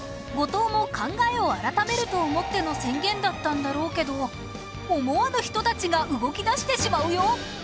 五島も考えを改めると思っての宣言だったんだろうけど思わぬ人たちが動き出してしまうよ！